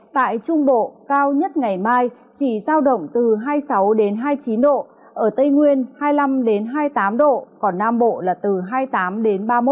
tại trung bộ cao nhất ngày mai chỉ giao động từ hai mươi sáu hai mươi chín độ ở tây nguyên hai mươi năm hai mươi tám độ còn nam bộ là từ hai mươi tám đến ba mươi một độ